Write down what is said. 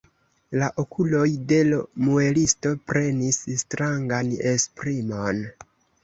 La okuloj de l' muelisto prenis strangan esprimon.